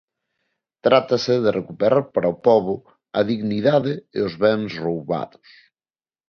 Trátase de recuperar para o pobo a dignidade e os bens roubados.